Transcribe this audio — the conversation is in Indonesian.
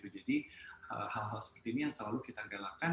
jadi hal hal seperti ini yang selalu kita galakan